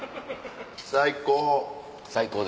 最高！